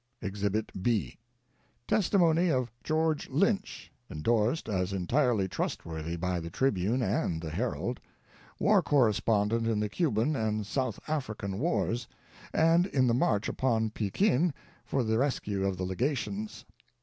EXHIBIT B. Testimony of George Lynch (endorsed as entirely trustworthy by the Tribune and the Herald), war correspondent in the Cuban and South African wars, and in the march upon Pekin for the rescue of the legations.